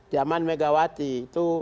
zaman megawati itu